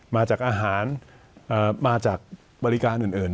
มาจากอาหารมาจากบริการอื่น